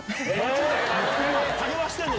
励ましてんの？